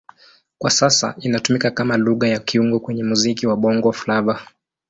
Kwa sasa inatumika kama Lugha ya kiungo kwenye muziki wa Bongo Flava.